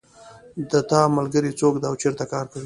د تا ملګری څوک ده او چېرته کار کوي